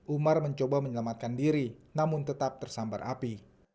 umar mencoba menyelamatkan diri namun tetap tersambar api